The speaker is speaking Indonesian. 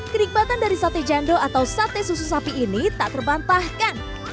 kenikmatan dari sate jando atau sate susu sapi ini tak terbantahkan